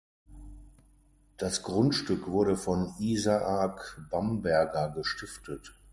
Das Grundstück wurde von Isaak Bamberger gestiftet.